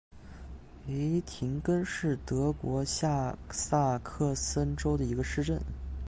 维廷根是德国下萨克森州的一个市镇。